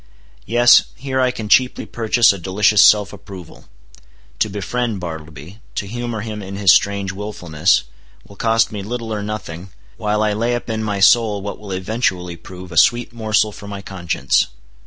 Yes. Here I can cheaply purchase a delicious self approval. To befriend Bartleby; to humor him in his strange willfulness, will cost me little or nothing, while I lay up in my soul what will eventually prove a sweet morsel for my conscience.